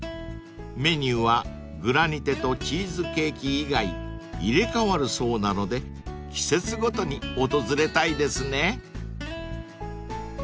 メニューはグラニテとチーズケーキ以外入れ替わるそうなので季節ごとに訪れたいですね］